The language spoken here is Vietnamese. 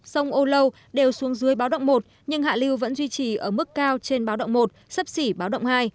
sông âu lâu đều xuống dưới báo động một nhưng hạ lưu vẫn duy trì ở mức cao trên báo động một sấp xỉ báo động hai